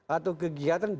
atau kegiatan di luar